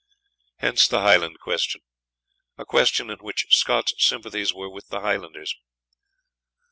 Hence the Highland Question, a question in which Scott's sympathies were with the Highlanders.